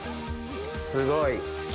すごい。肝！